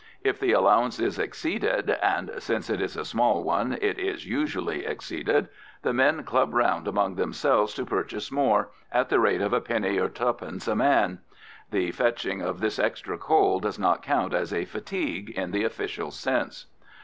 If the allowance is exceeded and since it is a small one it is usually exceeded the men club round among themselves to purchase more, at the rate of a penny or twopence a man. The fetching of this extra coal does not count as a "fatigue" in the official sense.